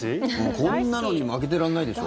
こんなのに負けてらんないでしょ。